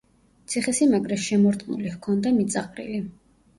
ციხესიმაგრეს შემორტყმული ჰქონდა მიწაყრილი.